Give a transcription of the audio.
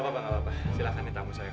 aduh sumpah sumpahin itu orang